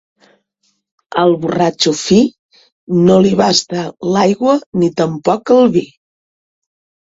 Al borratxo fi, no li basta l'aigua ni tampoc el vi.